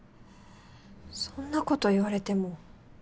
そんなこと言われても。